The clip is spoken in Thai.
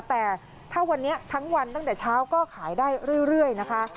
แต่ถ้าวันนี้ทั้งวันตั้งแต่เช้าก็ขายได้เรื่อยนะคะ